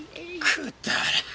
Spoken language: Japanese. くだらん。